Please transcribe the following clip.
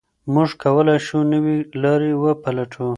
موږ کولای شو نوي لارې وپلټو.